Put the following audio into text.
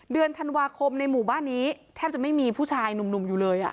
เดือนธันวาคมในหมู่บ้านนี้แทบจะไม่มีผู้ชายหนุ่มอยู่เลย